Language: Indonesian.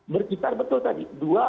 berkitar betul tadi